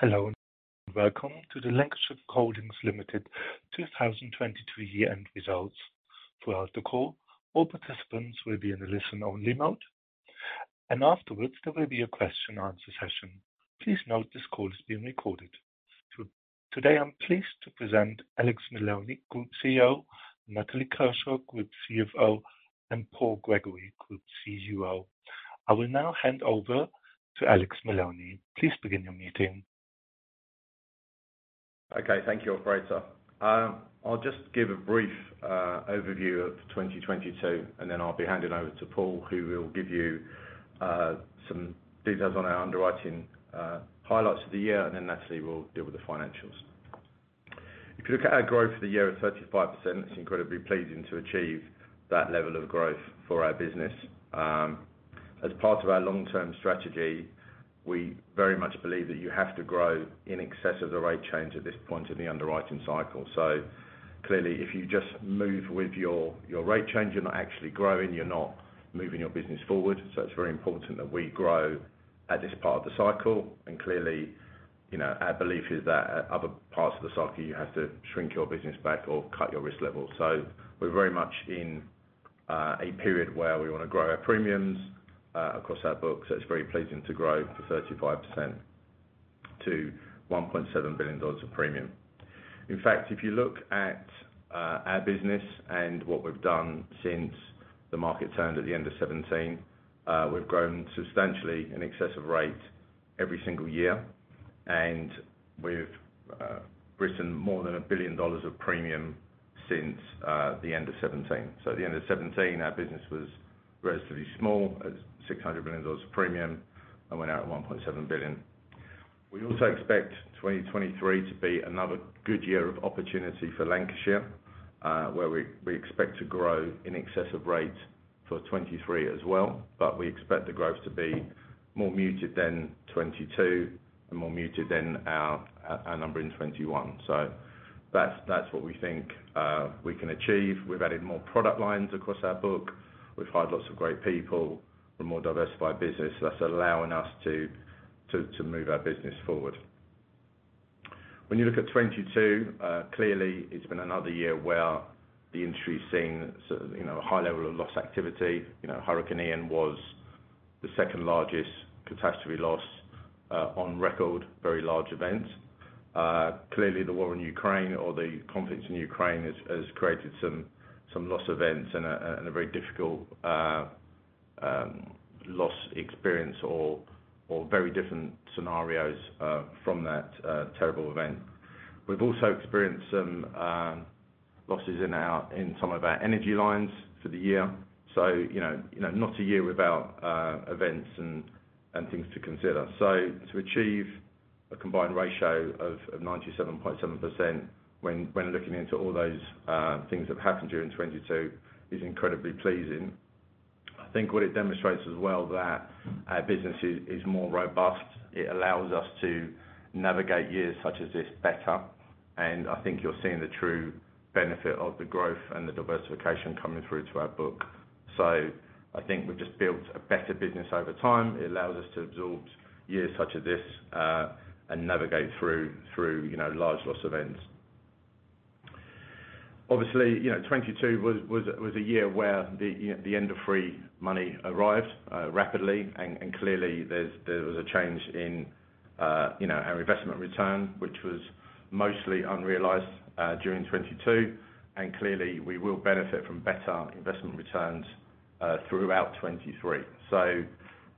Hello, welcome to the Lancashire Holdings Limited 2023 year-end results. Throughout the call, all participants will be in a listen-only mode. Afterwards, there will be a question answer session. Please note this call is being recorded. Today, I'm pleased to present Alex Maloney, Group CEO, Natalie Kershaw, Group CFO, and Paul Gregory, Group CUO. I will now hand over to Alex Maloney. Please begin your meeting. Okay. Thank you, operator. I'll just give a brief overview of 2022, I'll be handing over to Paul, who will give you some details on our underwriting highlights of the year, Natalie will deal with the financials. If you look at our growth for the year of 35%, it's incredibly pleasing to achieve that level of growth for our business. As part of our long-term strategy, we very much believe that you have to grow in excess of the rate change at this point in the underwriting cycle. Clearly, if you just move with your rate change, you're not actually growing, you're not moving your business forward. It's very important that we grow at this part of the cycle. Clearly, you know, our belief is that at other parts of the cycle, you have to shrink your business back or cut your risk level. We're very much in a period where we wanna grow our premiums across our books. It's very pleasing to grow for 35% to $1.7 billion of premium. In fact, if you look at our business and what we've done since the market turned at the end of 2017, we've grown substantially in excess of rate every single year. We've written more than $1 billion of premium since the end of 2017. At the end of 2017, our business was relatively small at $600 million of premium and went out at $1.7 billion. We also expect 2023 to be another good year of opportunity for Lancashire, where we expect to grow in excess of rate for 2023 as well, but we expect the growth to be more muted than 2022 and more muted than our number in 2021. That's what we think we can achieve. We've added more product lines across our book. We've hired lots of great people. We're a more diversified business. That's allowing us to move our business forward. When you look at 2022, clearly it's been another year where the industry is seeing sort of, you know, a high level of loss activity. You know, Hurricane Ian was the second largest catastrophe loss on record, very large event. Clearly the war in Ukraine or the conflict in Ukraine has created some loss events and a very difficult loss experience or very different scenarios from that terrible event. We've also experienced some losses in some of our energy lines for the year. You know, you know, not a year without events and things to consider. To achieve a combined ratio of 97.7% when looking into all those things that have happened during 2022 is incredibly pleasing. I think what it demonstrates as well, that our business is more robust. It allows us to navigate years such as this better. I think you're seeing the true benefit of the growth and the diversification coming through to our book. I think we've just built a better business over time. It allows us to absorb years such as this, and navigate through, you know, large loss events. Obviously, you know, 2022 was a year where the end of free money arrived rapidly and clearly there was a change in, you know, our investment return, which was mostly unrealized during 2022. Clearly we will benefit from better investment returns throughout 2023.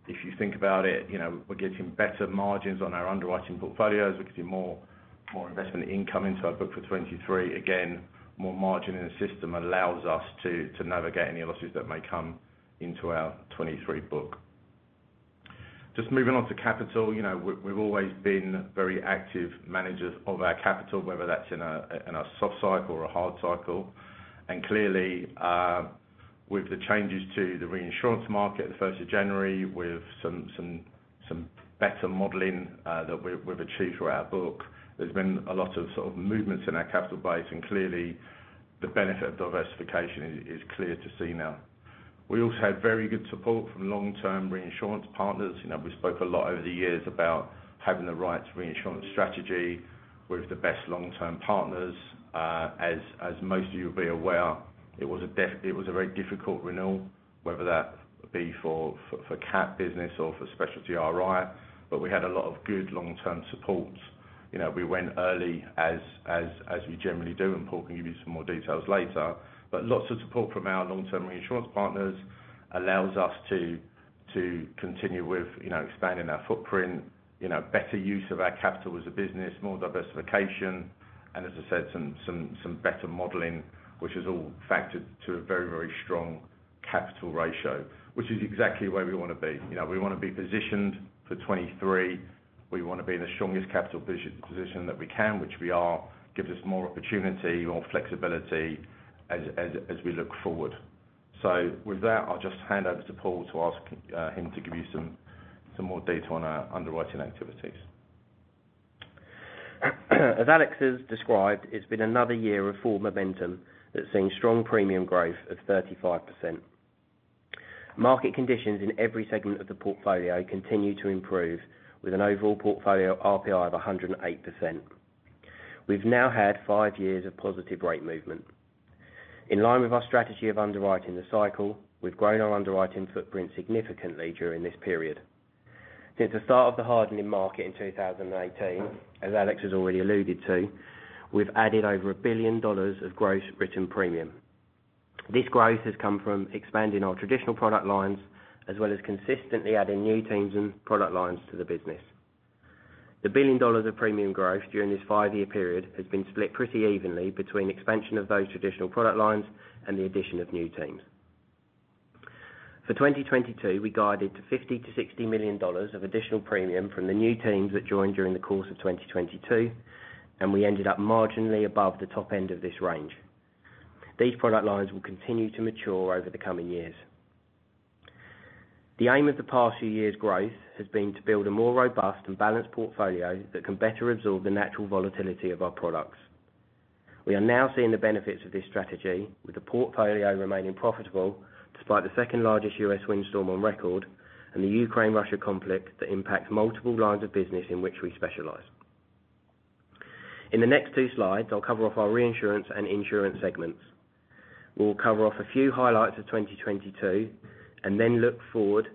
If you think about it, you know, we're getting better margins on our underwriting portfolios. We're getting more investment income into our book for 2023. Again, more margin in the system allows us to navigate any losses that may come into our 2023 book. Just moving on to capital. You know, we've always been very active managers of our capital, whether that's in a soft cycle or a hard cycle. Clearly, with the changes to the reinsurance market, the January 1st with some better modeling that we've achieved through our book. There's been a lot of sort of movements in our capital base, clearly the benefit of diversification is clear to see now. We also had very good support from long-term reinsurance partners. You know, we spoke a lot over the years about having the right reinsurance strategy with the best long-term partners. As most of you will be aware, it was a very difficult renewal, whether that be for cat business or for specialty RI, but we had a lot of good long-term support. You know, we went early as we generally do, Paul can give you some more details later. Lots of support from our long-term reinsurance partners allows us to continue with, you know, expanding our footprint, you know, better use of our capital as a business, more diversification. As I said, some better modeling, which has all factored to a very strong capital ratio, which is exactly where we wanna be. You know, we wanna be positioned for 2023. We wanna be in the strongest capital position that we can, which we are. Gives us more opportunity, more flexibility as we look forward. With that, I'll just hand over to Paul to ask him to give you some more data on our underwriting activities. As Alex has described, it's been another year of full momentum that's seen strong premium growth of 35%. Market conditions in every segment of the portfolio continue to improve, with an overall portfolio RPI of 108%. We've now had five years of positive rate movement. In line with our strategy of underwriting the cycle, we've grown our underwriting footprint significantly during this period. Since the start of the hardening market in 2018, as Alex has already alluded to, we've added over $1 billion of gross written premium. This growth has come from expanding our traditional product lines, as well as consistently adding new teams and product lines to the business. The $1 billion of premium growth during this five-year period has been split pretty evenly between expansion of those traditional product lines and the addition of new teams. For 2022, we guided to $50 million-$60 million of additional premium from the new teams that joined during the course of 2022. We ended up marginally above the top end of this range. These product lines will continue to mature over the coming years. The aim of the past few years' growth has been to build a more robust and balanced portfolio that can better absorb the natural volatility of our products. We are now seeing the benefits of this strategy with the portfolio remaining profitable, despite the second-largest U.S. windstorm on record and the Ukraine-Russia conflict that impacts multiple lines of business in which we specialize. In the next two slides, I'll cover off our reinsurance and insurance segments. We'll cover off a few highlights of 2022 and then look forward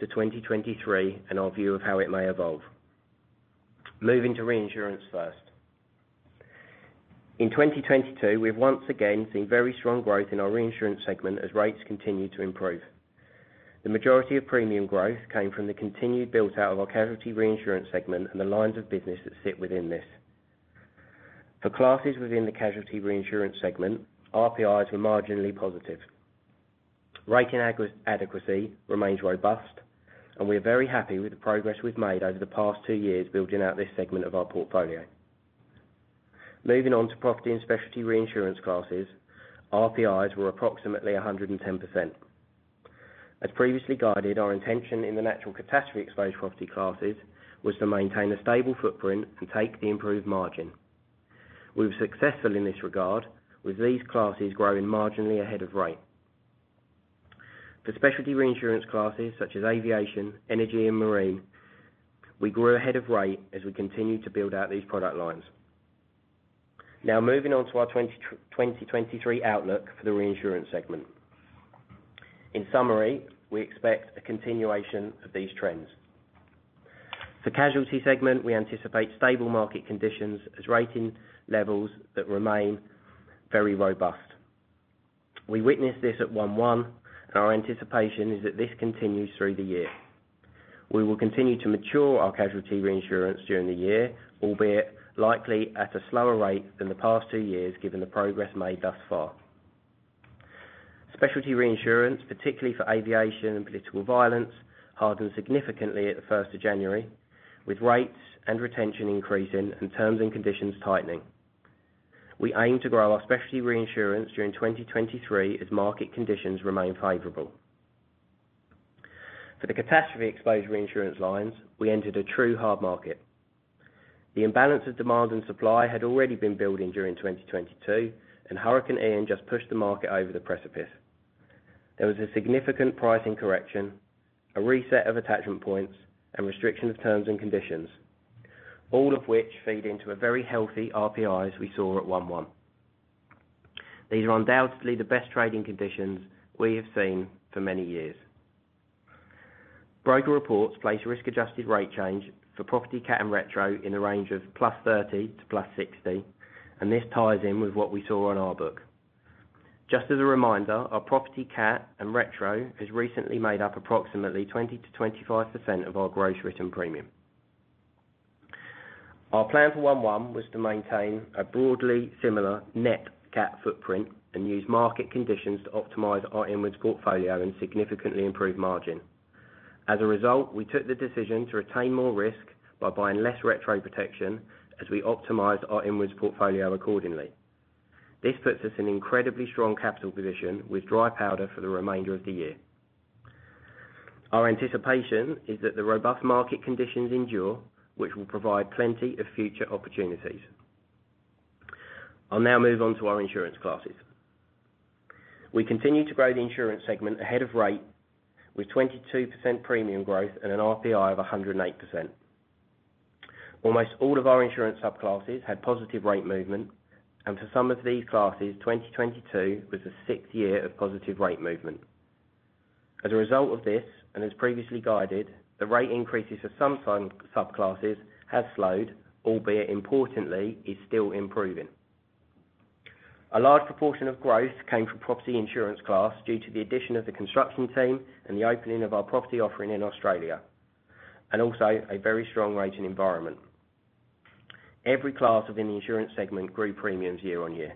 to 2023 and our view of how it may evolve. Moving to reinsurance first. In 2022, we've once again seen very strong growth in our reinsurance segment as rates continue to improve. The majority of premium growth came from the continued build-out of our casualty reinsurance segment and the lines of business that sit within this. For classes within the casualty reinsurance segment, RPIs were marginally positive. Rate adequacy remains robust, and we are very happy with the progress we've made over the past two years building out this segment of our portfolio. Moving on to property and specialty reinsurance classes, RPIs were approximately 110%. As previously guided, our intention in the natural catastrophe exposed property classes was to maintain a stable footprint and take the improved margin. We were successful in this regard, with these classes growing marginally ahead of rate. For specialty reinsurance classes such as aviation, energy, and marine, we grew ahead of rate as we continued to build out these product lines. Moving on to our 2023 outlook for the reinsurance segment. In summary, we expect a continuation of these trends. For casualty segment, we anticipate stable market conditions as rating levels that remain very robust. We witnessed this at 1/1, our anticipation is that this continues through the year. We will continue to mature our casualty reinsurance during the year, albeit likely at a slower rate than the past two years, given the progress made thus far. Specialty reinsurance, particularly for aviation and political violence, hardened significantly at the January 1st, with rates and retention increasing and terms and conditions tightening. We aim to grow our specialty reinsurance during 2023 as market conditions remain favorable. For the catastrophe exposed reinsurance lines, we entered a true hard market. The imbalance of demand and supply had already been building during 2022. Hurricane Ian just pushed the market over the precipice. There was a significant pricing correction, a reset of attachment points, and restriction of terms and conditions, all of which feed into a very healthy RPIs we saw at 1/1. These are undoubtedly the best trading conditions we have seen for many years. Broker reports place risk-adjusted rate change for property cat and retro in the range of +30 to +60. This ties in with what we saw on our book. Just as a reminder, our property cat and retro has recently made up approximately 20%-25% of our gross written premium. Our plan for 1/1 was to maintain a broadly similar net cat footprint and use market conditions to optimize our inwards portfolio and significantly improve margin. We took the decision to retain more risk by buying less retro protection as we optimized our inwards portfolio accordingly. This puts us in incredibly strong capital position with dry powder for the remainder of the year. Our anticipation is that the robust market conditions endure, which will provide plenty of future opportunities. I'll now move on to our insurance classes. We continue to grow the insurance segment ahead of rate with 22% premium growth and an RPI of 108%. Almost all of our insurance subclasses had positive rate movement. For some of these classes, 2022 was the sixth year of positive rate movement. As a result of this, as previously guided, the rate increases for some sub-subclasses has slowed, albeit importantly, is still improving. A large proportion of growth came from property insurance class due to the addition of the construction team and the opening of our property offering in Australia, and also a very strong rating environment. Every class within the insurance segment grew premiums year-on-year.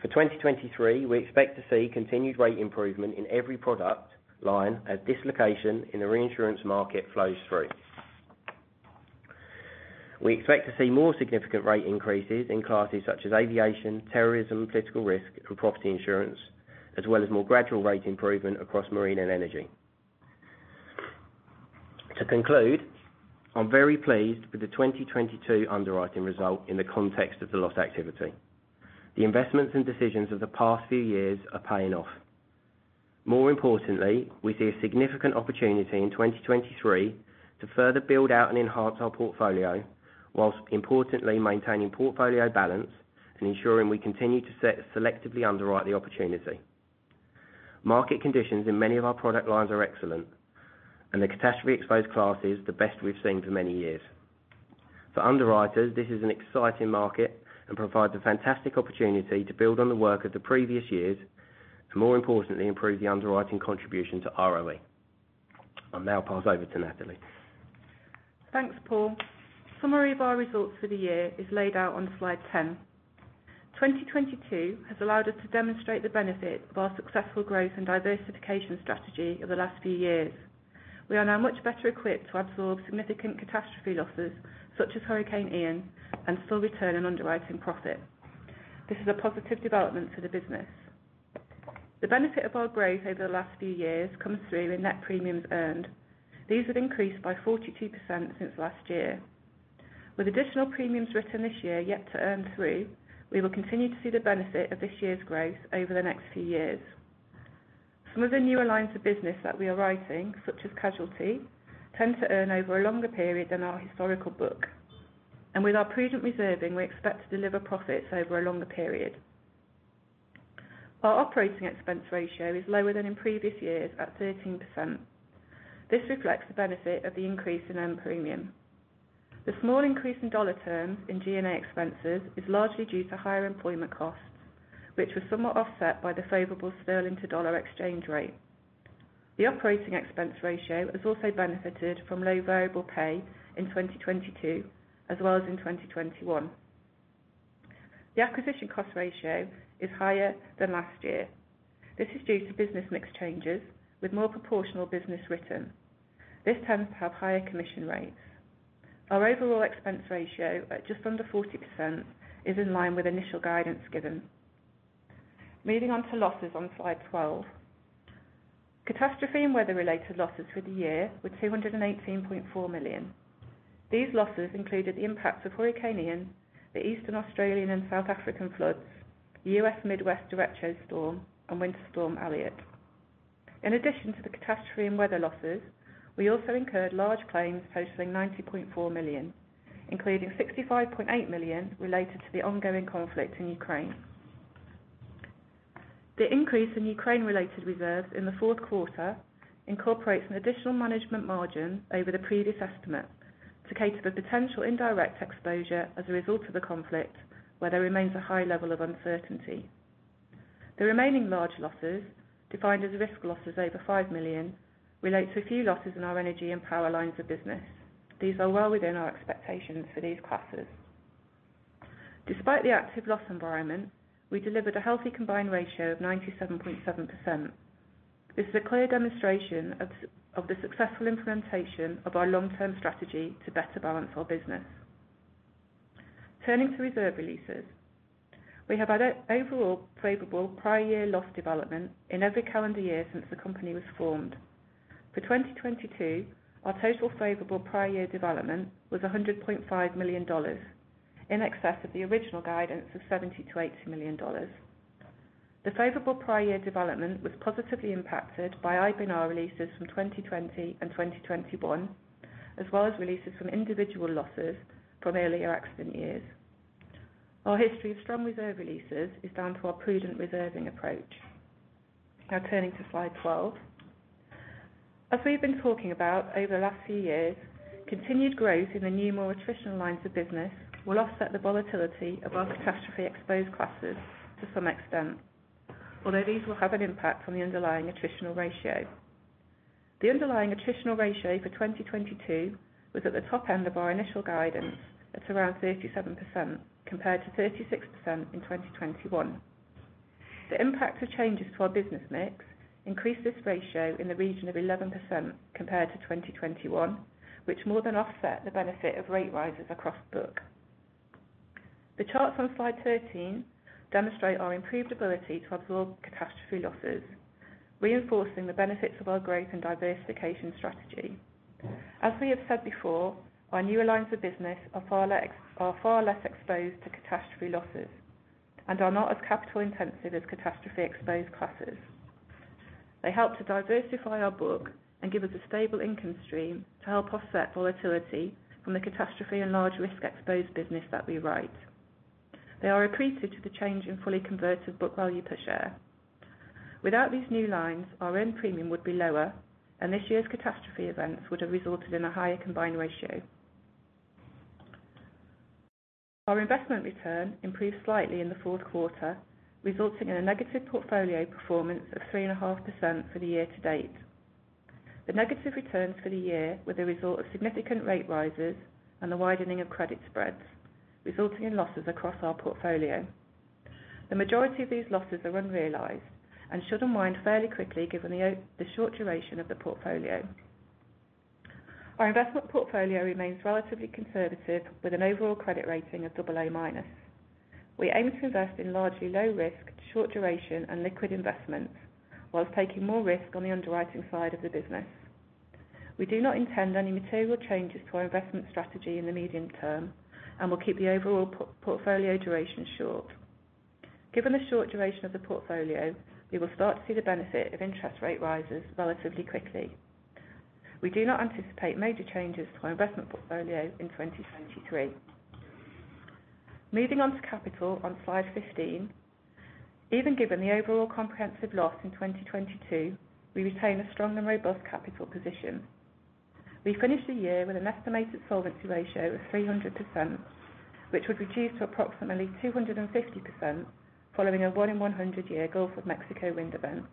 For 2023, we expect to see continued rate improvement in every product line as dislocation in the reinsurance market flows through. We expect to see more significant rate increases in classes such as aviation, terrorism, political risk for property insurance, as well as more gradual rate improvement across marine and energy. To conclude, I'm very pleased with the 2022 underwriting result in the context of the loss activity. The investments and decisions of the past few years are paying off. More importantly, we see a significant opportunity in 2023 to further build out and enhance our portfolio, while importantly maintaining portfolio balance and ensuring we continue to selectively underwrite the opportunity. Market conditions in many of our product lines are excellent, and the catastrophe exposed class is the best we've seen for many years. For underwriters, this is an exciting market and provides a fantastic opportunity to build on the work of the previous years, to more importantly improve the underwriting contribution to ROE. I'll now pass over to Natalie. Thanks, Paul. Summary of our results for the year is laid out on slide 10. 2022 has allowed us to demonstrate the benefit of our successful growth and diversification strategy over the last few years. We are now much better equipped to absorb significant catastrophe losses, such as Hurricane Ian, and still return an underwriting profit. This is a positive development for the business. The benefit of our growth over the last few years comes through in net premiums earned. These have increased by 42% since last year. With additional premiums written this year yet to earn through, we will continue to see the benefit of this year's growth over the next few years. Some of the newer lines of business that we are writing, such as casualty, tend to earn over a longer period than our historical book. With our prudent reserving, we expect to deliver profits over a longer period. Our operating expense ratio is lower than in previous years at 13%. This reflects the benefit of the increase in earned premium. The small increase in dollar terms in G&A expenses is largely due to higher employment costs, which was somewhat offset by the favorable sterling to dollar exchange rate. The operating expense ratio has also benefited from low variable pay in 2022 as well as in 2021. The acquisition cost ratio is higher than last year. This is due to business mix changes with more proportional business written. This tends to have higher commission rates. Our overall expense ratio at just under 40% is in line with initial guidance given. Moving on to losses on slide 12. Catastrophe and weather-related losses for the year were $218.4 million. These losses included the impacts of Hurricane Ian, the Eastern Australian and South African floods, U.S. Midwest derecho storm and Winter Storm Elliott. In addition to the catastrophe and weather losses, we also incurred large claims totaling $90.4 million, including $65.8 million related to the ongoing conflict in Ukraine. The increase in Ukraine related reserves in the fourth quarter incorporates an additional management margin over the previous estimate to cater the potential indirect exposure as a result of the conflict where there remains a high level of uncertainty. The remaining large losses, defined as risk losses over $5 million, relate to a few losses in our energy and power lines of business. These are well within our expectations for these classes. Despite the active loss environment, we delivered a healthy combined ratio of 97.7%. This is a clear demonstration of the successful implementation of our long-term strategy to better balance our business. Turning to reserve releases. We have had overall favorable prior year loss development in every calendar year since the company was formed. For 2022, our total favorable prior year development was $100.5 million, in excess of the original guidance of $70 million-$80 million. The favorable prior year development was positively impacted by IBNR releases from 2020 and 2021, as well as releases from individual losses from earlier accident years. Our history of strong reserve releases is down to our prudent reserving approach. Turning to slide 12. As we've been talking about over the last few years, continued growth in the new, more attritional lines of business will offset the volatility of our catastrophe exposed classes to some extent. These will have an impact on the underlying attritional ratio. The underlying attritional ratio for 2022 was at the top end of our initial guidance at around 37%, compared to 36% in 2021. The impact of changes to our business mix increased this ratio in the region of 11% compared to 2021, which more than offset the benefit of rate rises across book. The charts on slide 13 demonstrate our improved ability to absorb catastrophe losses, reinforcing the benefits of our growth and diversification strategy. As we have said before, our newer lines of business are far less exposed to catastrophe losses and are not as capital intensive as catastrophe exposed classes. They help to diversify our book and give us a stable income stream to help offset volatility from the catastrophe and large risk exposed business that we write. They are accretive to the change in fully converted book value per share. Without these new lines, our earned premium would be lower, and this year's catastrophe events would have resulted in a higher combined ratio. Our investment return improved slightly in the fourth quarter, resulting in a negative portfolio performance of 3.5% for the year to date. The negative returns for the year were the result of significant rate rises and the widening of credit spreads, resulting in losses across our portfolio. The majority of these losses are unrealized and should unwind fairly quickly given the short duration of the portfolio. Our investment portfolio remains relatively conservative with an overall credit rating of AA-. We aim to invest in largely low risk, short duration, and liquid investments while taking more risk on the underwriting side of the business. We do not intend any material changes to our investment strategy in the medium term, and we'll keep the overall portfolio duration short. Given the short duration of the portfolio, we will start to see the benefit of interest rate rises relatively quickly. We do not anticipate major changes to our investment portfolio in 2023. Moving on to capital on slide 15. Even given the overall comprehensive loss in 2022, we retain a strong and robust capital position. We finished the year with an estimated solvency ratio of 300%, which would reduce to approximately 250% following a one in 100-year Gulf of Mexico wind event.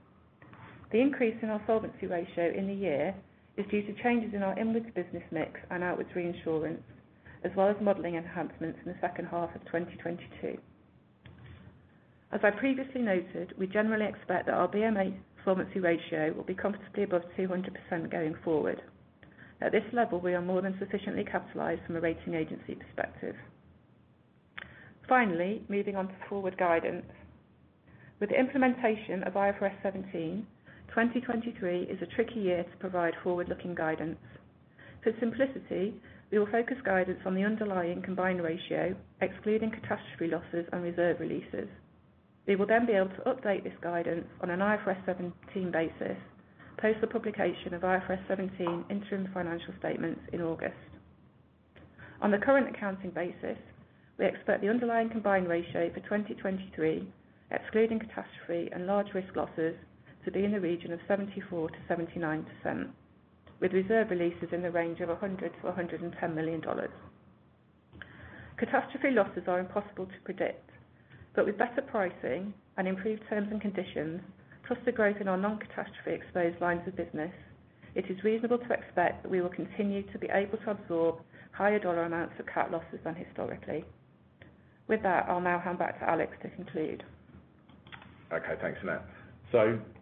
The increase in our solvency ratio in the year is due to changes in our inwards business mix and outwards reinsurance, as well as modeling enhancements in the second half of 2022. As I previously noted, we generally expect that our BMA solvency ratio will be comfortably above 200% going forward. At this level, we are more than sufficiently capitalized from a rating agency perspective. Finally, moving on to forward guidance. With the implementation of IFRS 17, 2023 is a tricky year to provide forward-looking guidance. For simplicity, we will focus guidance on the underlying combined ratio, excluding catastrophe losses and reserve releases. We will then be able to update this guidance on an IFRS 17 basis, post the publication of IFRS 17 interim financial statements in August. On the current accounting basis, we expect the underlying combined ratio for 2023, excluding catastrophe and large risk losses, to be in the region of 74%-79%, with reserve releases in the range of $100 million-$110 million. Catastrophe losses are impossible to predict, with better pricing and improved terms and conditions, plus the growth in our non-catastrophe exposed lines of business, it is reasonable to expect that we will continue to be able to absorb higher dollar amounts of cat losses than historically. With that, I'll now hand back to Alex to conclude. Okay. Thanks, Nat.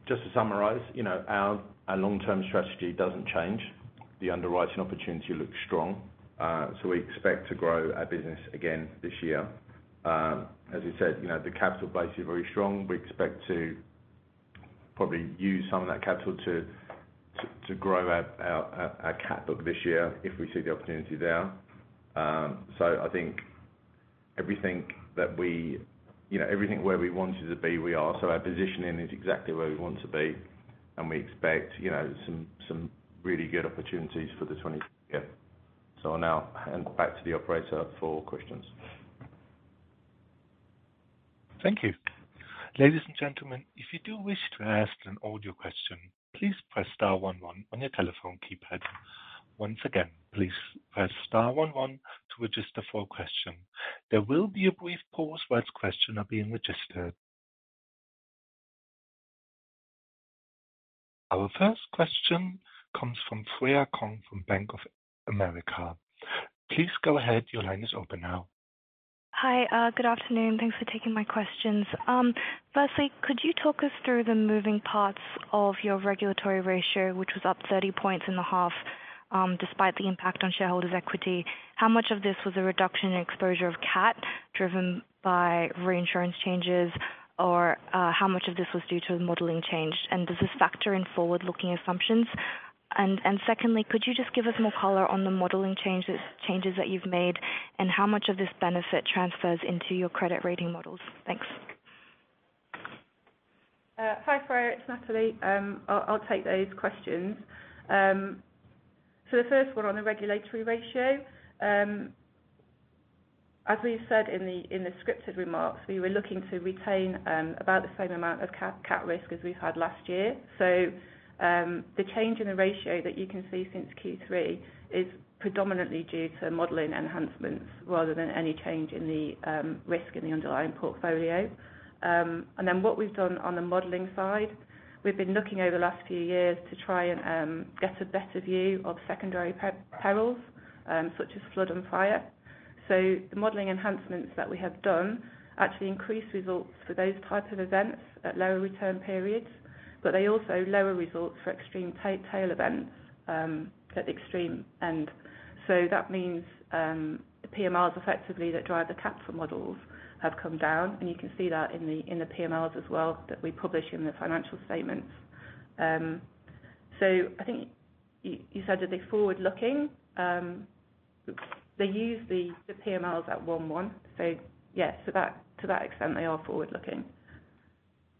Just to summarize, you know, our long-term strategy doesn't change. The underwriting opportunity looks strong, so we expect to grow our business again this year. As we said, you know, the capital base is very strong. We expect to probably use some of that capital to grow our cat book this year if we see the opportunity there. I think, you know, everything where we wanted to be, we are. So our positioning is exactly where we want to be, and we expect, you know, some really good opportunities for the 2023 year. I'll now hand back to the operator for questions. Thank you. Ladies and gentlemen, if you do wish to ask an audio question, please press star one one on your telephone keypad. Once again, please press star one one to register for a question. There will be a brief pause whilst questions are being registered. Our first question comes from Freya Kong from Bank of America. Please go ahead. Your line is open now. Hi, good afternoon. Thanks for taking my questions. Firstly, could you talk us through the moving parts of your regulatory ratio, which was up 30 points in the half, despite the impact on shareholders equity? How much of this was a reduction in exposure of cat driven by reinsurance changes? Or, how much of this was due to the modeling change? Does this factor in forward-looking assumptions? Secondly, could you just give us more color on the modeling changes that you've made and how much of this benefit transfers into your credit rating models? Thanks. Hi, Freya, it's Natalie. I'll take those questions. The first one on the regulatory ratio. As we said in the scripted remarks, we were looking to retain about the same amount of cat risk as we've had last year. The change in the ratio that you can see since Q3 is predominantly due to modeling enhancements rather than any change in the risk in the underlying portfolio. What we've done on the modeling side, we've been looking over the last few years to try and get a better view of secondary perils, such as flood and fire. The modeling enhancements that we have done actually increase results for those type of events at lower return periods, but they also lower results for extreme tail events at the extreme end. That means, the PMLs effectively that drive the capital models have come down, and you can see that in the, in the PMLs as well that we publish in the financial statements. I think you said, are they forward looking? They use the PMLs at 1/1. Yes, to that, to that extent, they are forward looking.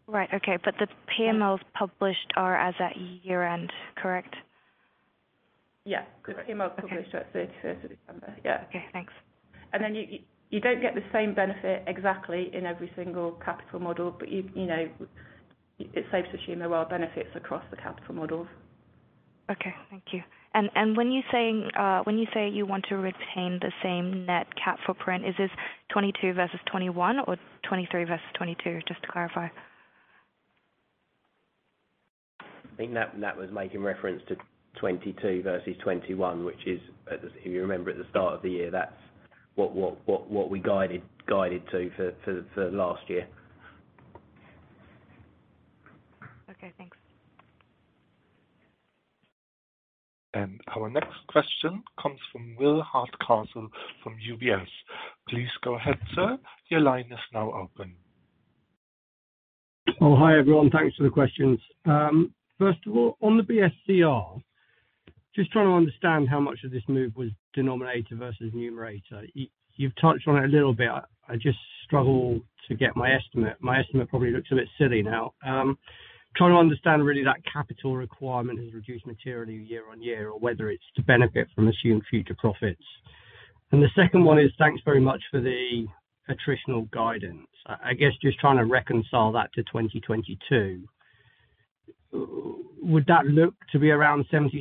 Right. Okay. The PMLs published are as at year-end, correct? Yeah. Correct. The PMLs published are at December 31st. Yeah. Okay, thanks. You don't get the same benefit exactly in every single capital model, but you know, it's safe to assume there are benefits across the capital models. Okay. Thank you. When you're saying, when you say you want to retain the same net cat footprint, is this 2022 versus 2021 or 2023 versus 2022? Just to clarify. I think Nat was making reference to 2022 versus 2021, which is, if you remember at the start of the year, that's what we guided to for last year. Okay, thanks. Our next question comes from Will Hardcastle from UBS. Please go ahead, sir. Your line is now open. Oh, hi everyone. Thanks for the questions. First of all, on the BSCR, just trying to understand how much of this move was denominator versus numerator. You've touched on it a little bit. I just struggle to get my estimate. My estimate probably looks a bit silly now. Trying to understand really that capital requirement has reduced materially year on year or whether it's to benefit from assumed future profits. The second one is, thanks very much for the attritional guidance. I guess just trying to reconcile that to 2022. Would that look to be around 77%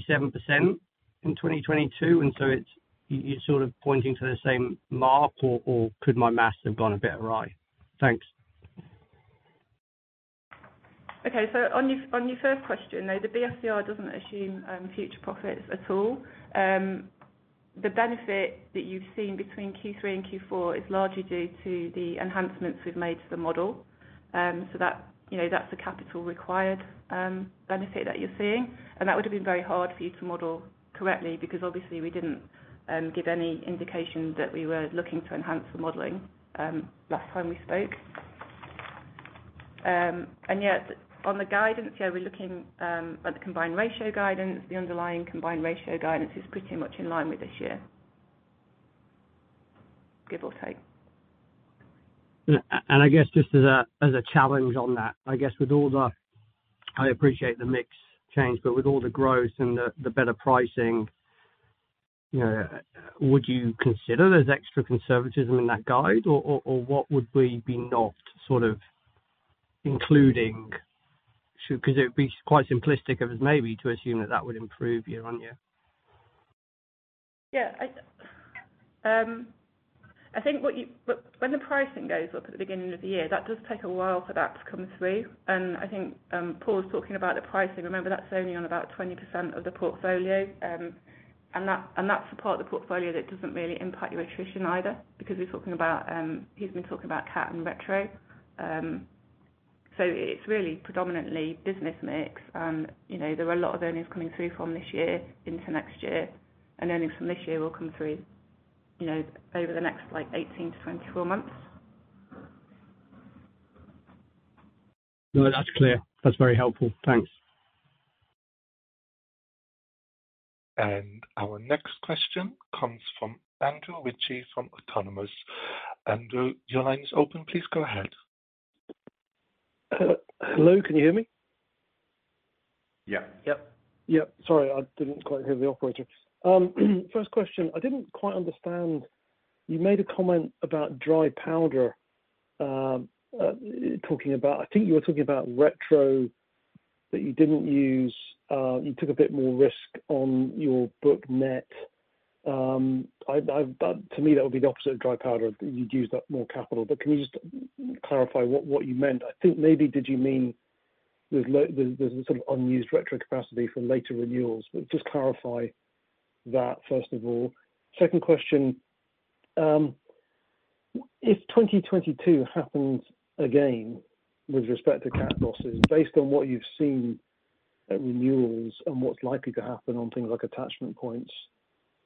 in 2022, and so it's you're sort of pointing to the same mark, or could my maths have gone a bit awry? Thanks. Okay. On your, on your first question, though, the BSCR doesn't assume future profits at all. The benefit that you've seen between Q3 and Q4 is largely due to the enhancements we've made to the model. That, you know, that's the capital required benefit that you're seeing. That would have been very hard for you to model correctly because obviously we didn't give any indication that we were looking to enhance the modeling last time we spoke. Yeah, on the guidance, yeah, we're looking at the combined ratio guidance. The underlying combined ratio guidance is pretty much in line with this year, give or take. I guess just as a challenge on that, I guess with all the. I appreciate the mix change, but with all the growth and the better pricing, you know, would you consider there's extra conservatism in that guide or what would we be not sort of including? It would be quite simplistic of us maybe to assume that that would improve year-on-year. Yeah. I think when the pricing goes up at the beginning of the year, that does take a while for that to come through. I think Paul was talking about the pricing. Remember, that's only on about 20% of the portfolio. That's the part of the portfolio that doesn't really impact your attrition either, because we're talking about, he's been talking about cat and retro. It's really predominantly business mix. You know, there are a lot of earnings coming through from this year into next year, and earnings from this year will come through, you know, over the next, like, 18-24 months. No, that's clear. That's very helpful. Thanks. Our next question comes from Andrew Ritchie from Autonomous. Andrew, your line is open. Please go ahead. Hello? Can you hear me? Yeah. Yep. Yep. Sorry, I didn't quite hear the operator. First question, I didn't quite understand. You made a comment about dry powder, talking about. I think you were talking about retro that you didn't use, you took a bit more risk on your book net. To me, that would be the opposite of dry powder. You'd use up more capital. Can you just clarify what you meant? I think maybe did you mean there's some unused retro capacity for later renewals. Just clarify that first of all. Second question. If 2022 happens again with respect to cat losses, based on what you've seen at renewals and what's likely to happen on things like attachment points,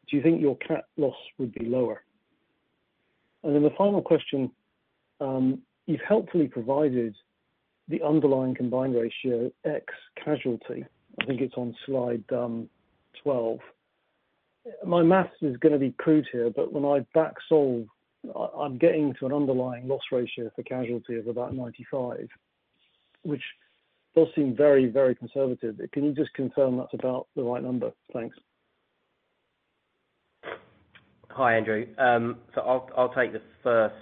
do you think your cat loss would be lower? The final question. You've helpfully provided the underlying combined ratio X casualty. I think it's on slide 12. My math is gonna be crude here, but when I back solve, I'm getting to an underlying loss ratio for casualty of about 95, which does seem very, very conservative. Can you just confirm that's about the right number? Thanks. Hi, Andrew. I'll take the first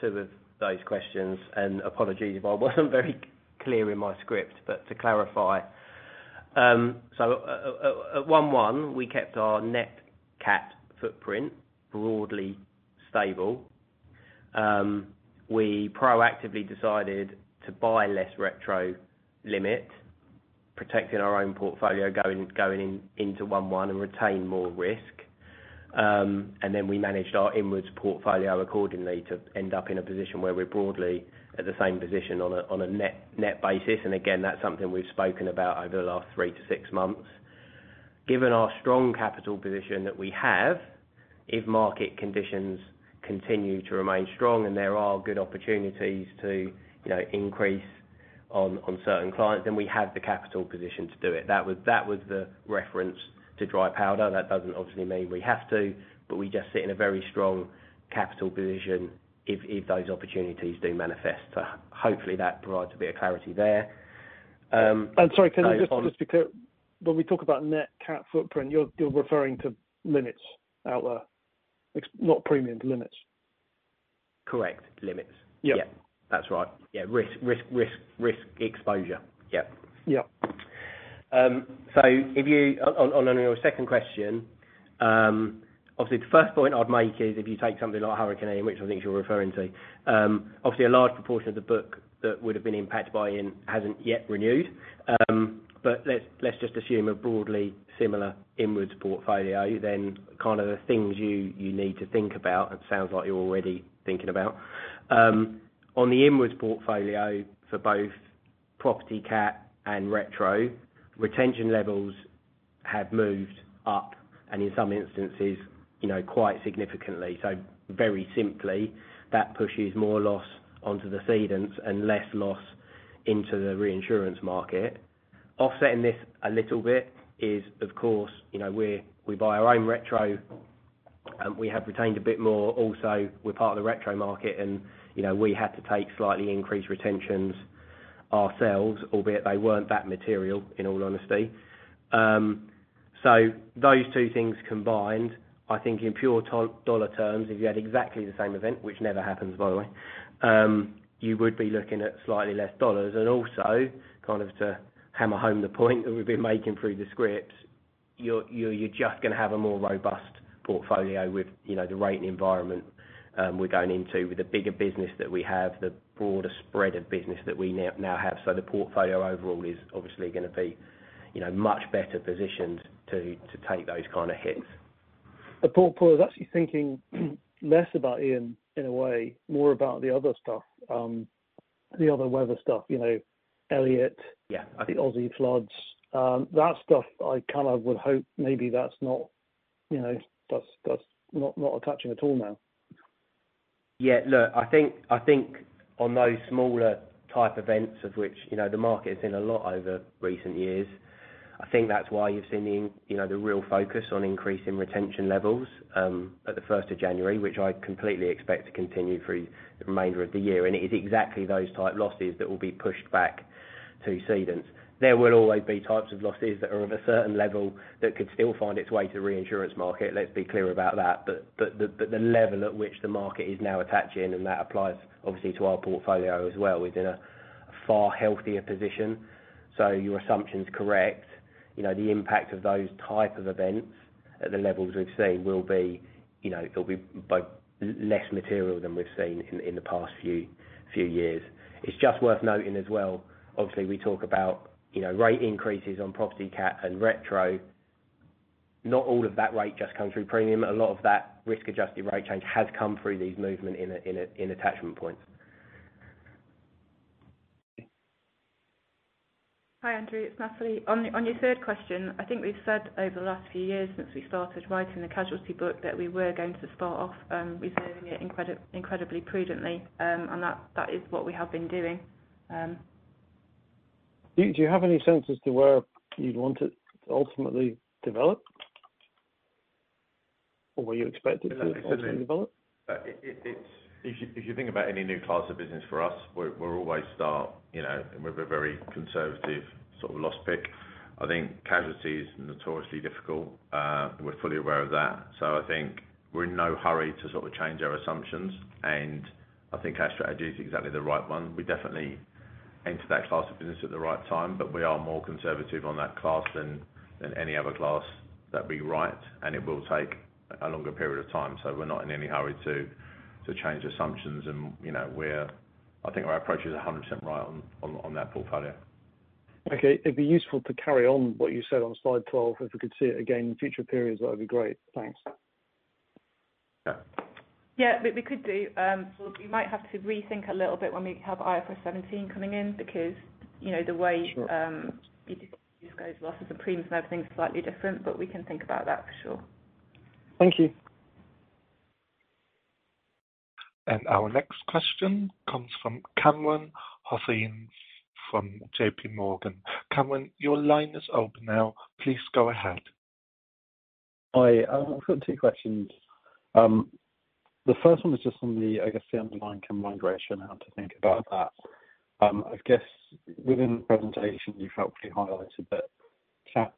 two of those questions. Apologies if I wasn't very clear in my script, but to clarify. At 1/1 we kept our net cat footprint broadly stable. We proactively decided to buy less retro limit, protecting our own portfolio going into 1/1 and retain more risk. We managed our inwards portfolio accordingly to end up in a position where we're broadly at the same position on a net basis. Again, that's something we've spoken about over the last three to six months. Given our strong capital position that we have, if market conditions continue to remain strong and there are good opportunities to, you know, increase on certain clients, then we have the capital position to do it. That was the reference to dry powder. That doesn't obviously mean we have to, we just sit in a very strong capital position if those opportunities do manifest. Hopefully, that provides a bit of clarity there. I'm sorry. Can you just be clear? When we talk about net cat footprint, you're referring to limits out there, not premium, limits. Correct. Limits. Yep. Yeah. That's right. Yeah. Risk, risk, risk exposure. Yep. Yep. If you... On your second question, obviously the first point I'd make is if you take something like Hurricane Ian, which I think is what you're referring to, obviously a large proportion of the book that would've been impacted by it hasn't yet renewed. Let's just assume a broadly similar inwards portfolio, then kind of the things you need to think about, and sounds like you're already thinking about. On the inwards portfolio for both property cat and retro, retention levels have moved up, and in some instances, you know, quite significantly. Very simply, that pushes more loss onto the cedents and less loss into the reinsurance market. Offsetting this a little bit is, of course, you know, we buy our own retro, and we have retained a bit more. Also, we're part of the retro market and, you know, we had to take slightly increased retentions ourselves, albeit they weren't that material, in all honesty. Those two things combined, I think in pure dollar terms, if you had exactly the same event, which never happens, by the way, you would be looking at slightly less dollars. Kind of to hammer home the point that we've been making through the script, you're just gonna have a more robust portfolio with, you know, the rating environment, we're going into with the bigger business that we have, the broader spread of business that we now have. The portfolio overall is obviously gonna be, you know, much better positioned to take those kind of hits. Paul is actually thinking less about Hurricane Ian in a way, more about the other stuff. The other weather stuff. You know, Winter Storm Elliott. Yeah. The Aussie floods. That stuff I kind of would hope maybe that's not, you know, that's not attaching at all now. Yeah, look, I think on those smaller type events of which, you know, the market's seen a lot over recent years, I think that's why you've seen the, you know, the real focus on increasing retention levels at the January 1st, which I completely expect to continue through the remainder of the year. It is exactly those type losses that will be pushed back to cedents. There will always be types of losses that are of a certain level that could still find its way to reinsurance market. Let's be clear about that. The level at which the market is now attaching, and that applies obviously to our portfolio as well, we're in a far healthier position. Your assumption is correct. You know, the impact of those type of events at the levels we've seen will be, you know, it'll be by less material than we've seen in the past few years. It's just worth noting as well, obviously we talk about, you know, rate increases on property cat and retro. Not all of that rate just comes through premium. A lot of that risk adjusted rate change has come through these movement in attachment points. Hi, Andrew. It's Natalie. On your third question, I think we've said over the last few years since we started writing the casualty book, that we were going to start off, reserving it incredibly prudently. That is what we have been doing. Do you have any sense as to where you'd want it to ultimately develop? Or where you expect it to ultimately develop? It's If you think about any new class of business for us, we're always start, you know, with a very conservative sort of loss pick. I think casualty is notoriously difficult, and we're fully aware of that. I think we're in no hurry to sort of change our assumptions. I think our strategy is exactly the right one. We definitely enter that class of business at the right time. We are more conservative on that class than any other class that we write. It will take a longer period of time. We're not in any hurry to change assumptions. You know, I think our approach is 100% right on that portfolio. Okay. It'd be useful to carry on what you said on slide 12, if we could see it again in future periods, that would be great. Thanks. Yeah. Yeah. We could do. Sort of we might have to rethink a little bit when we have IFRS 17 coming in because, you know, the way. Sure you just go as well as the premiums and everything slightly different, but we can think about that for sure. Thank you. Our next question comes from Kamran Hossain, from JPMorgan. Kamran, your line is open now. Please go ahead. Hi. I've got two questions. The first one was just on the, I guess, the underlying combined ratio, and how to think about that. I guess within the presentation you've helpfully highlighted that cat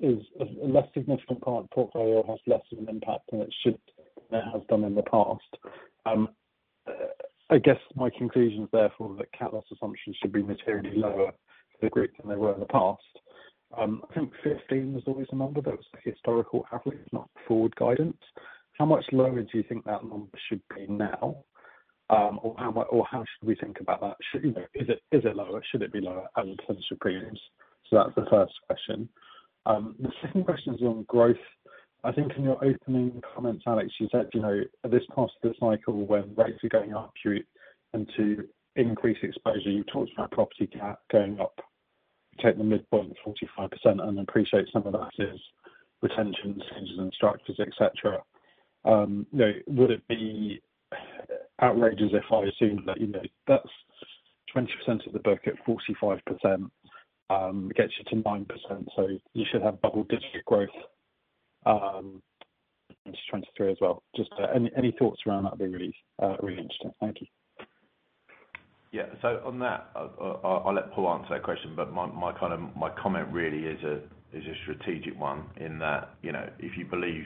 is a less significant part of the portfolio, has less of an impact than it should, than it has done in the past. I guess my conclusion is therefore that cat loss assumptions should be materially lower for the group than they were in the past. I think 15 was always a number that was a historical average, not forward guidance. How much lower do you think that number should be now? How should we think about that? Should, you know, is it lower? Should it be lower as opposed to premiums? That's the first question. The second question is on growth. I think in your opening comments, Alex, you said, you know, this part of the cycle when rates are going up, to increase exposure, you talked about property cap going up, take the midpoint 45% and appreciate some of that is retention changes and structures, et cetera. You know, would it be outrageous if I assumed that, you know, that's 20% of the book at 45%, gets you to 9%, so you should have double-digit growth, in 2023 as well. Just any thoughts around that would be really, really interesting. Thank you. Yeah. On that, I'll let Paul answer that question, but my comment really is a strategic one in that, you know, if you believe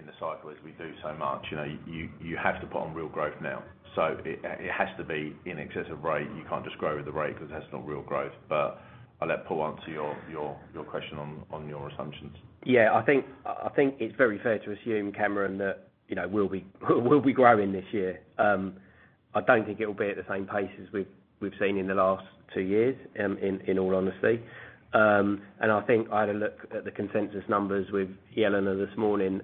in the cycle as we do so much, you know, you have to put on real growth now. It has to be in excess of rate. You can't just grow with the rate 'cause that's not real growth. I'll let Paul answer your question on your assumptions. Yeah. I think it's very fair to assume, Kamran, that, you know, we'll be growing this year. I don't think it will be at the same pace as we've seen in the last two years, in all honesty. I think I had a look at the consensus numbers with Yelena this morning,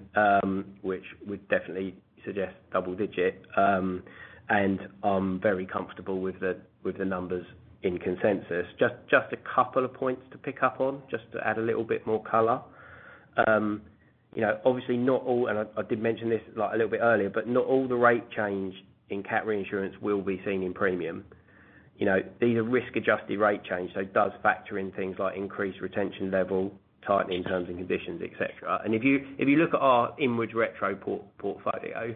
which would definitely suggest double digit. I'm very comfortable with the numbers in consensus. Just a couple of points to pick up on, just to add a little bit more color. You know, obviously not all, and I did mention this like a little bit earlier, but not all the rate change in cat reinsurance will be seen in premium. You know, these are risk adjusted rate change. It does factor in things like increased retention level, tightening terms and conditions, et cetera. If you look at our inward retro portfolio,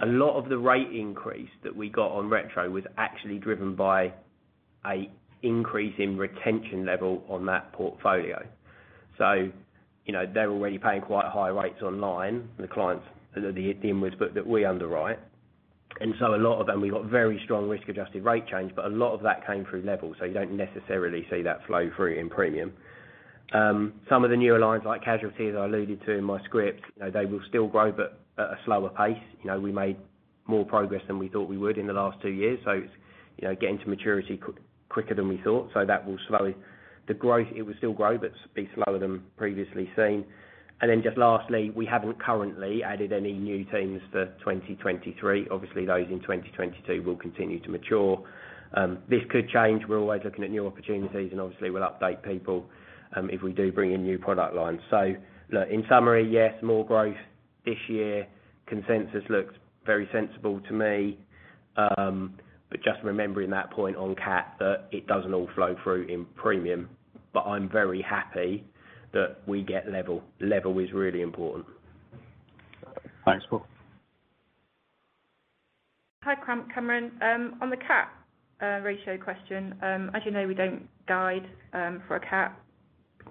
a lot of the rate increase that we got on retro was actually driven by a increase in retention level on that portfolio. You know, they're already paying quite high rates on line, the clients, you know, the inwards that we underwrite. A lot of them, we got very strong risk adjusted rate change. A lot of that came through level. You don't necessarily see that flow through in premium. Some of the newer lines like casualty, as I alluded to in my script, you know, they will still grow at a slower pace. You know, we made more progress than we thought we would in the last two years. It's, you know, getting to maturity quicker than we thought. The growth, it will still grow, but be slower than previously seen. Just lastly, we haven't currently added any new teams for 2023. Obviously, those in 2022 will continue to mature. This could change. We're always looking at new opportunities, and obviously we'll update people if we do bring in new product lines. Look, in summary, yes, more growth this year. Consensus looks very sensible to me. Just remembering that point on cat, that it doesn't all flow through in premium, but I'm very happy that we get level. Level is really important. Thanks, Paul. Hi, Kamran. On the cat ratio question, as you know, we don't guide for a cat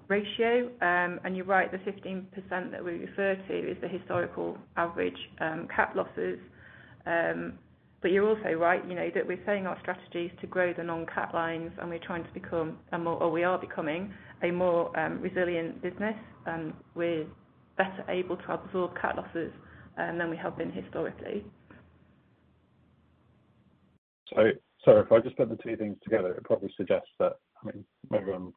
ratio. You're right, the 15% that we refer to is the historical average cat losses. You're also right, you know, that we're saying our strategy is to grow the non-cat lines, and we're trying to become a more. Or we are becoming a more resilient business with better able to absorb cat losses than we have been historically. If I just put the two things together, it probably suggests that, I mean, maybe I'm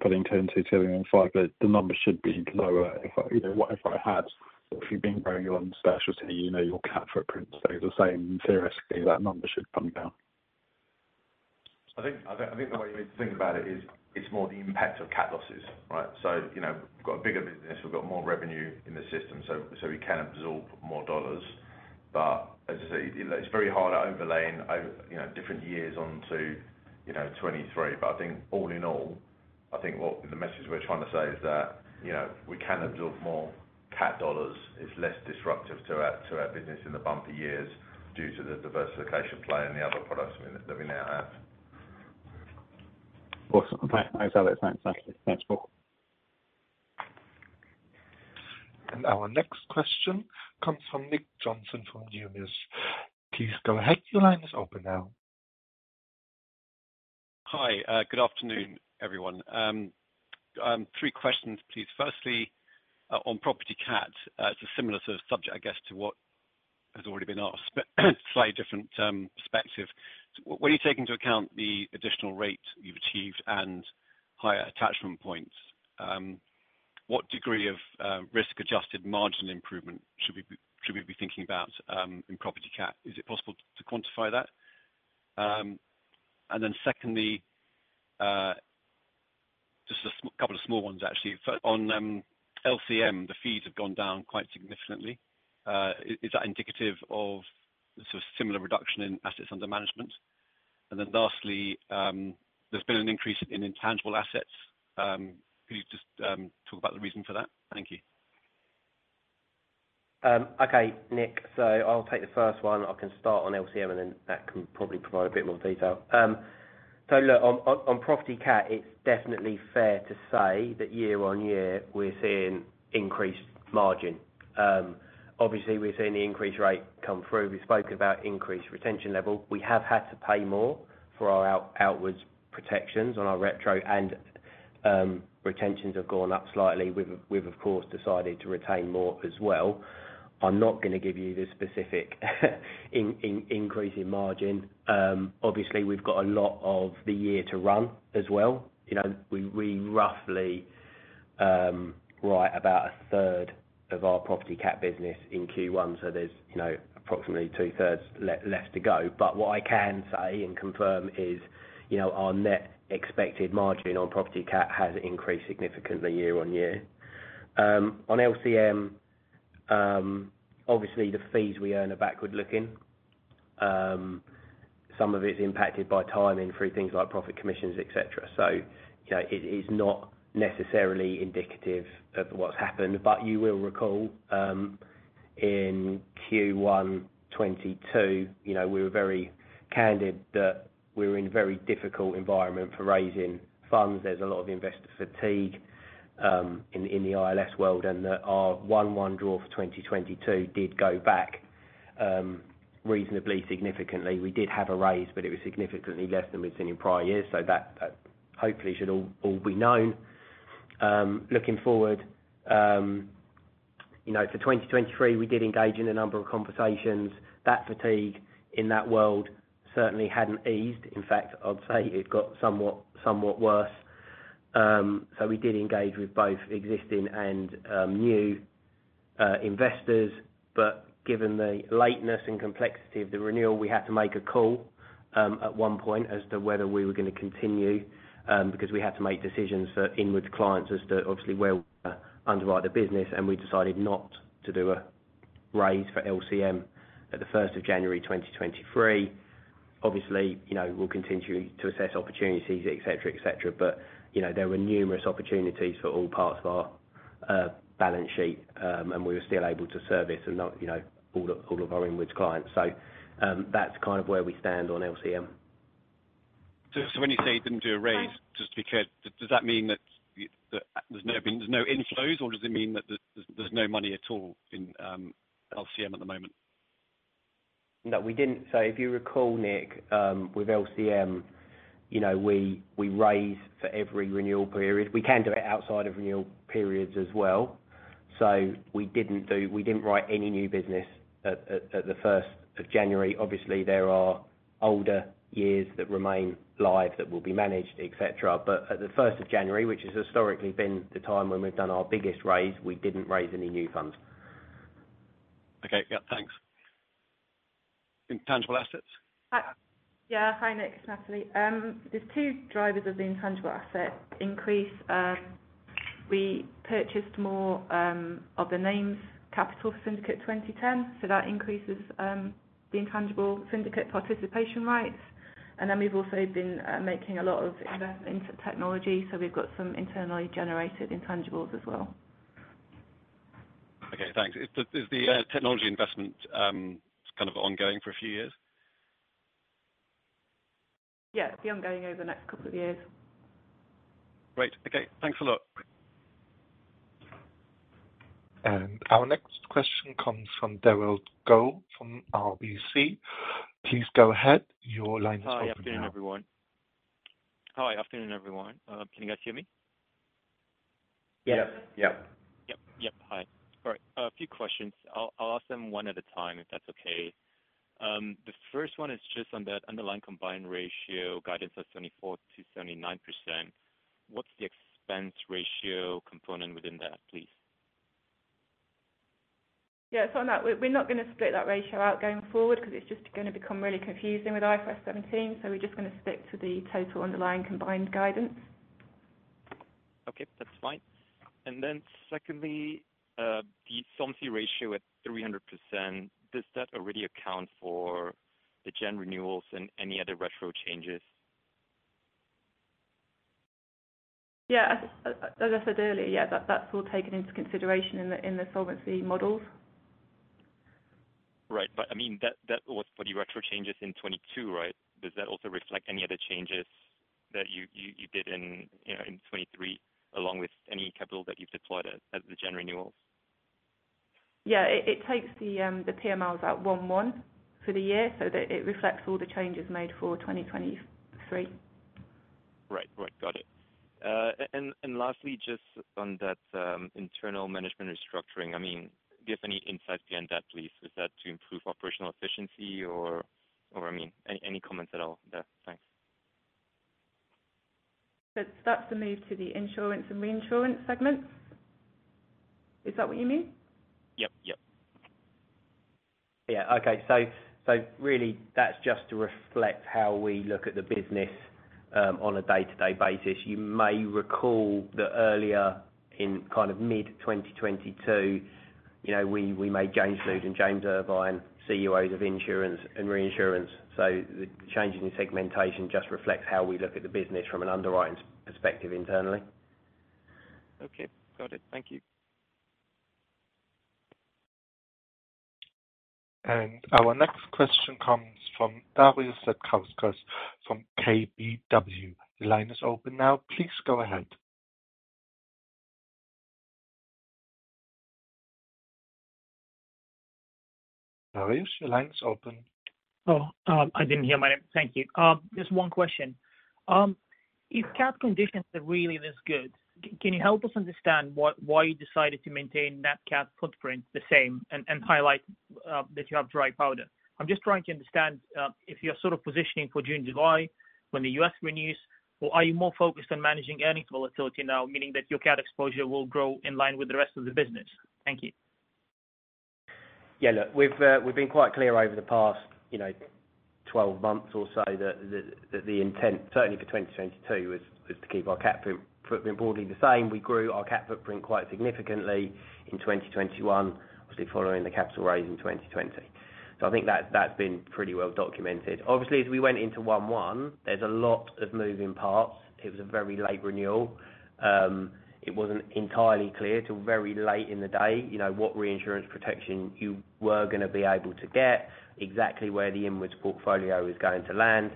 putting two and two together and five, but the numbers should be lower if I, you know. If you've been growing your own specialty, you know, your cat footprint stays the same. Theoretically, that number should come down. I think the way you think about it is, it's more the impact of cat losses, right? You know, we've got a bigger business, we've got more revenue in the system, so we can absorb more dollars. As I say, you know, it's very hard overlaying over, you know, different years onto, you know, 2023. I think all in all, I think what the message we're trying to say is that, you know, we can absorb more cat dollars. It's less disruptive to our business in the bumper years due to the diversification play and the other products that we now have. Awesome. Okay. Thanks, Alex. Thanks, Natalie. Thanks, Paul. Our next question comes from Nick Johnson from Numis. Please go ahead. Your line is open now. Hi. Good afternoon, everyone. Three questions, please. Firstly, on property cat, it's a similar sort of subject, I guess, to what has already been asked, but slightly different perspective. When you take into account the additional rate you've achieved and higher attachment points, what degree of risk adjusted margin improvement should we be thinking about in property cat? Is it possible to quantify that? Secondly, just a couple of small ones actually. First on LCM, the fees have gone down quite significantly. Is that indicative of sort of similar reduction in assets under management? Lastly, there's been an increase in intangible assets. Could you just talk about the reason for that? Thank you. Okay, Nick. I'll take the first one. I can start on LCM, and then Nat can probably provide a bit more detail. Look on property cat, it's definitely fair to say that year-on-year we're seeing increased margin. Obviously we're seeing the increased rate come through. We spoke about increased retention level. We have had to pay more for our outwards protections on our retro, and retentions have gone up slightly. We've of course decided to retain more as well. I'm not gonna give you the specific increase in margin. Obviously we've got a lot of the year to run as well. You know, we roughly write about 1/3 of our property cat business in Q1. There's, you know, approximately 2/3 less to go. What I can say and confirm is, you know, our net expected margin on property cat has increased significantly year-on-year. On LCM, obviously the fees we earn are backward looking. Some of it's impacted by timing through things like profit commissions, et cetera. You know, it is not necessarily indicative of what's happened. You will recall, in Q1 2022, you know, we were very candid that we were in a very difficult environment for raising funds. There's a lot of investor fatigue in the ILS world, and that our 1/1 draw for 2022 did go back reasonably significantly. We did have a raise, but it was significantly less than we've seen in prior years. That, that hopefully should all be known. Looking forward, you know, for 2023, we did engage in a number of conversations. That fatigue in that world certainly hadn't eased. In fact, I'd say it got somewhat worse. We did engage with both existing and new investors. Given the lateness and complexity of the renewal, we had to make a call at one point as to whether we were gonna continue, because we had to make decisions for inward clients as to obviously where we underwrite the business, and we decided not to do a raise for LCM at the January 1st, 2023. Obviously, you know, we'll continue to assess opportunities, et cetera, et cetera. You know, there were numerous opportunities for all parts of our balance sheet, and we were still able to service and not, you know, all of our inwards clients. That's kind of where we stand on LCM. When you say you didn't do a raise, just because does that mean that there's no inflows or does it mean that there's no money at all in LCM at the moment? No, we didn't. If you recall, Nick, with LCM, you know, we raise for every renewal period. We can do it outside of renewal periods as well. We didn't write any new business at the January 1st. Obviously, there are older years that remain live that will be managed, et cetera. At the January 1st, which has historically been the time when we've done our biggest raise, we didn't raise any new funds. Okay. Yeah, thanks. Intangible assets. Yeah. Hi, Nick, it's Natalie. There's two drivers of the intangible asset increase. We purchased more of the names capital Syndicate 2010, so that increases the intangible syndicate participation rights. Then we've also been making a lot of investments into technology, so we've got some internally generated intangibles as well. Okay, thanks. Is the technology investment kind of ongoing for a few years? Yes, the ongoing over the next couple of years. Great. Okay. Thanks a lot. Our next question comes from Derald Goh from RBC. Please go ahead. Your line is open now. Hi. Good afternoon, everyone. Hi, afternoon, everyone. Can you guys hear me? Yes. Yeah. Yep. Yep. Hi. All right. A few questions. I'll ask them one at a time, if that's okay. The first one is just on the underlying combined ratio guidance of 74%-79%. What's the expense ratio component within that, please? Yeah. On that, we're not gonna split that ratio out going forward because it's just gonna become really confusing with IFRS 17. We're just gonna stick to the total underlying combined guidance. Okay, that's fine. Secondly, the solvency ratio at 300%, does that already account for the gen renewals and any other retro changes? Yeah. As I said earlier, that's all taken into consideration in the solvency models. Right. I mean, that was for the retro changes in 2022, right? Does that also reflect any other changes that you did in, you know, in 2023 along with any capital that you've deployed at the gen renewals? Yeah. It takes the PMLs at 1/1 for the year so that it reflects all the changes made for 2023. Right. Right. Got it. Lastly, just on that, internal management restructuring, I mean, do you have any insight behind that, please? Is that to improve operational efficiency or I mean, any comments at all on that? Thanks. That's the move to the insurance and reinsurance segments. Is that what you mean? Yep. Yep. Yeah. Okay. Really that's just to reflect how we look at the business on a day-to-day basis. You may recall that earlier in kind of mid-2022, you know, we made James Flude and James Irvine COAs of insurance and reinsurance. The change in the segmentation just reflects how we look at the business from an underwriting perspective internally. Okay. Got it. Thank you. Our next question comes from Darius Satkauskas from KBW. The line is open now. Please go ahead. Darius, your line is open. I didn't hear my name. Thank you. Just one question. If cat conditions are really this good, can you help us understand what, why you decided to maintain net cat footprint the same and highlight that you have dry powder? I'm just trying to understand if you're sort of positioning for June, July when the U.S. renews, or are you more focused on managing earnings volatility now, meaning that your cat exposure will grow in line with the rest of the business? Thank you. Yeah. Look, we've been quite clear over the past, you know, 12 months or so that the intent certainly for 2022 is to keep our cat footprint broadly the same. We grew our cat footprint quite significantly in 2021, obviously following the capital raise in 2020. I think that's been pretty well documented. Obviously, as we went into 1/1, there's a lot of moving parts. It was a very late renewal. It wasn't entirely clear till very late in the day, you know, what reinsurance protection you were gonna be able to get, exactly where the inwards portfolio was going to land.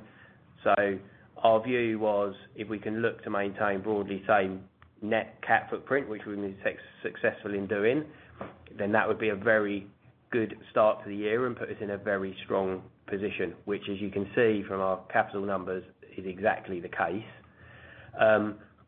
Our view was if we can look to maintain broadly same net cat footprint, which we've been successful in doing, then that would be a very good start to the year and put us in a very strong position, which as you can see from our capital numbers, is exactly the case.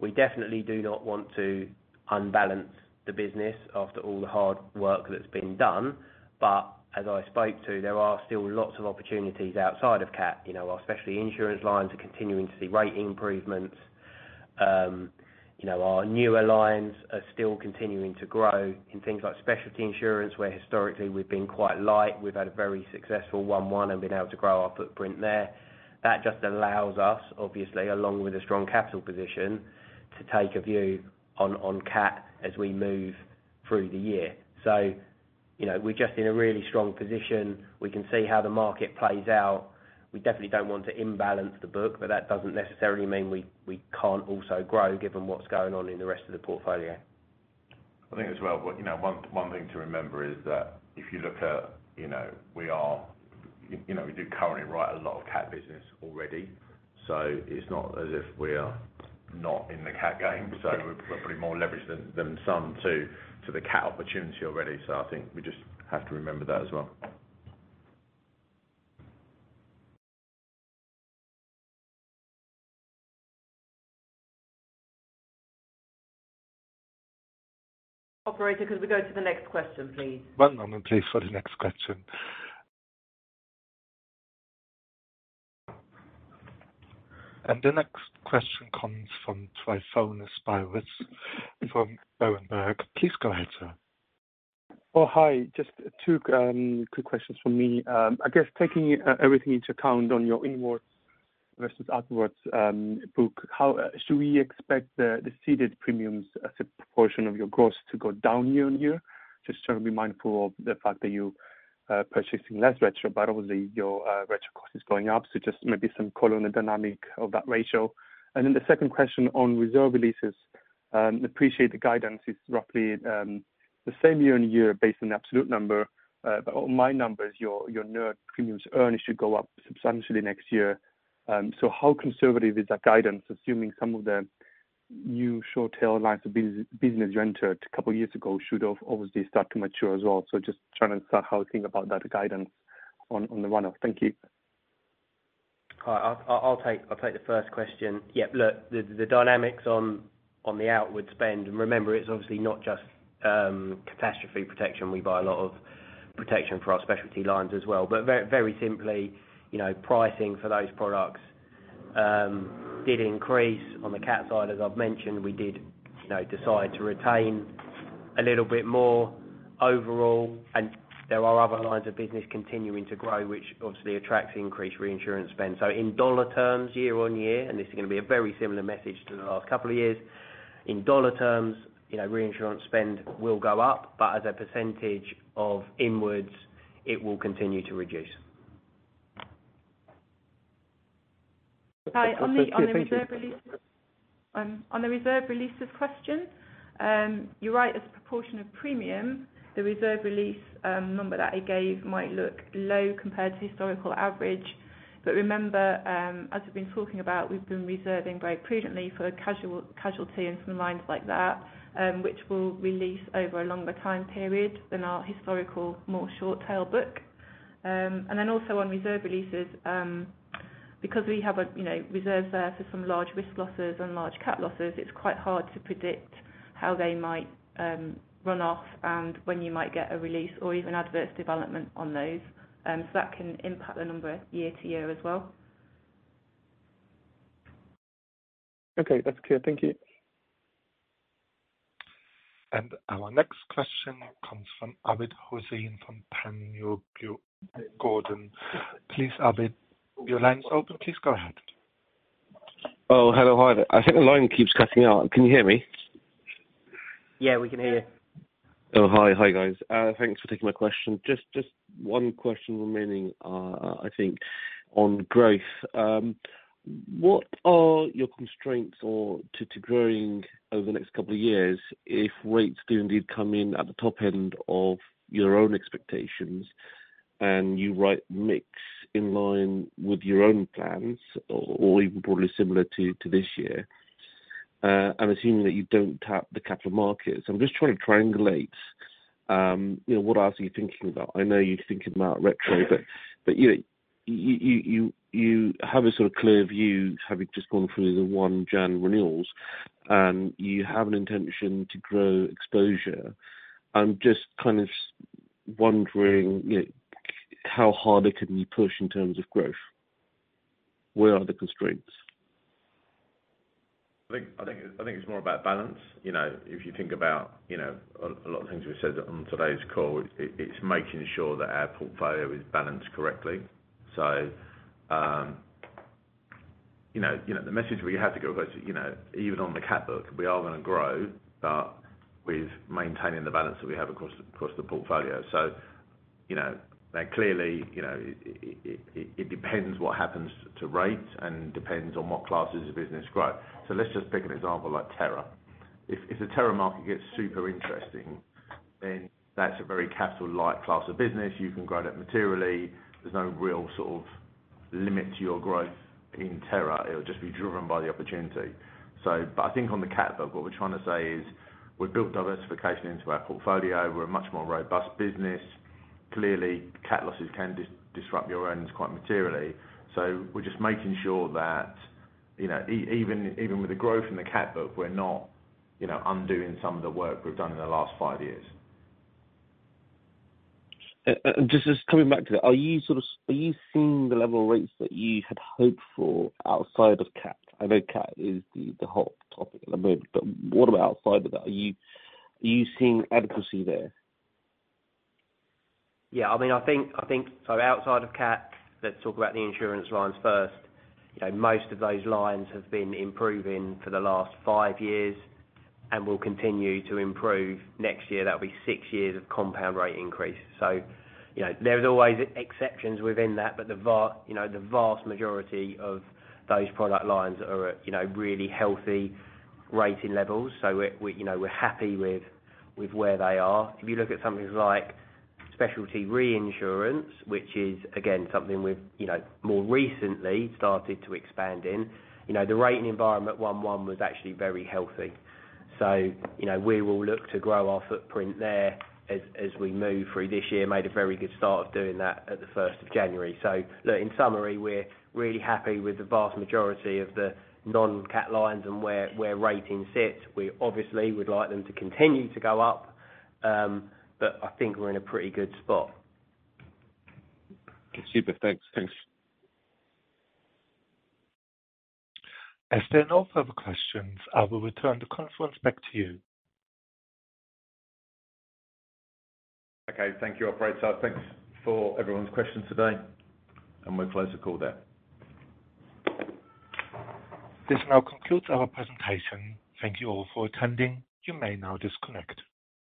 We definitely do not want to unbalance the business after all the hard work that's been done. As I spoke to, there are still lots of opportunities outside of cat. You know, our specialty insurance lines are continuing to see rate improvements. You know, our newer lines are still continuing to grow in things like specialty insurance, where historically we've been quite light. We've had a very successful 1/1 and been able to grow our footprint there. That just allows us, obviously, along with a strong capital position, to take a view on cat as we move through the year. You know, we're just in a really strong position. We can see how the market plays out. We definitely don't want to imbalance the book, but that doesn't necessarily mean we can't also grow given what's going on in the rest of the portfolio. I think as well, you know, one thing to remember is that if you look at, you know, we are, you know, we do currently write a lot of cat business already. It's not as if we are not in the cat game. We're probably more leveraged than some to the cat opportunity already. I think we just have to remember that as well. Operator, could we go to the next question, please? One moment please for the next question. The next question comes from Tryfonas Spyrou from Berenberg. Please go ahead, sir. Oh, hi. Just two quick questions from me. I guess taking everything into account on your inwards versus outwards book, how should we expect the ceded premiums as a proportion of your costs to go down year-on-year? Just trying to be mindful of the fact that you purchasing less retro, but obviously your retro cost is going up. Just maybe some dynamic of that ratio. The second question on reserve releases, appreciate the guidance is roughly the same year-on-year based on absolute number. On my numbers, your net premiums earned should go up substantially next year. How conservative is that guidance, assuming some of the new short tail lines of business you entered a couple of years ago should have obviously start to mature as well. Just trying to understand how we think about that guidance on the run up. Thank you. All right. I'll take the first question. Yeah, look, the dynamics on the outward spend, remember, it's obviously not just catastrophe protection. We buy a lot of protection for our specialty lines as well. Very, very simply, you know, pricing for those products did increase on the cat side. As I've mentioned, we did, you know, decide to retain a little bit more overall. There are other lines of business continuing to grow, which obviously attracts increased reinsurance spend. In dollar terms, year-over-year, and this is going to be a very similar message to the last two years. In dollar terms, you know, reinsurance spend will go up, but as a percentage of inwards, it will continue to reduce. Okay. Thank you. On the reserve release, on the reserve releases question, you're right, as a proportion of premium, the reserve release number that I gave might look low compared to historical average. Remember, as we've been talking about, we've been reserving very prudently for casualty and some lines like that, which will release over a longer time period than our historical, more short tail book. Also on reserve releases, because we have a, you know, reserve there for some large risk losses and large cat losses, it's quite hard to predict how they might run off and when you might get a release or even adverse development on those. That can impact the number year to year as well. Okay, that's clear. Thank you. Our next question comes from Abid Hussain from Panmure Gordon. Please, Abid. Your line is open. Please go ahead. Oh, hello. Hi there. I think the line keeps cutting out. Can you hear me? Yeah, we can hear you. Oh, hi. Hi, guys. Thanks for taking my question. Just one question remaining, I think on growth. What are your constraints or to growing over the next couple of years if rates do indeed come in at the top end of your own expectations and you write mix in line with your own plans or even probably similar to this year? I'm assuming that you don't tap the capital markets. I'm just trying to triangulate, you know, what else are you thinking about. I know you're thinking about retro, but you have a sort of clear view, having just gone through the one Jan renewals, and you have an intention to grow exposure. I'm just kind of wondering, you know, how hard it can you push in terms of growth. Where are the constraints? I think it's more about balance. You know, if you think about, you know, a lot of things we've said on today's call, it's making sure that our portfolio is balanced correctly. You know, the message we have to go across, you know, even on the cat book, we are gonna grow, but with maintaining the balance that we have across the portfolio. You know, clearly, you know, it depends what happens to rates and depends on what classes of business grow. Let's just pick an example like terror. If the terror market gets super interesting, that's a very capital light class of business. You can grow that materially. There's no real sort of limit to your growth in terror. It'll just be driven by the opportunity. I think on the cat book, what we're trying to say is we've built diversification into our portfolio. We're a much more robust business. Clearly, cat losses can disrupt your earnings quite materially. We're just making sure that, you know, even with the growth in the cat book, we're not, you know, undoing some of the work we've done in the last five years. Just coming back to that. Are you seeing the level of rates that you had hoped for outside of cat? I know cat is the hot topic at the moment, but what about outside of that? Are you seeing adequacy there? Yeah, I mean, I think so outside of cat, let's talk about the insurance lines first. Most of those lines have been improving for the last five years and will continue to improve next year. That'll be six years of compound rate increase. There's always exceptions within that, but the vast majority of those product lines are at really healthy rating levels. We're happy with where they are. If you look at something like specialty reinsurance, which is again something we've more recently started to expand in. The rating environment one was actually very healthy. We will look to grow our footprint there as we move through this year. Made a very good start of doing that at the January 1st. Look, in summary, we're really happy with the vast majority of the non-cat lines and where ratings sit. We obviously would like them to continue to go up. I think we're in a pretty go od spot. Super. Thanks. As there are no further questions, I will return the conference back to you. Okay. Thank you, operator. Thanks for everyone's questions today, and we'll close the call there. This now concludes our presentation. Thank you all for attending. You may now disconnect.